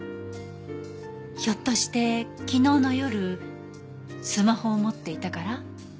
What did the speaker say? ひょっとして昨日の夜スマホを持っていたから？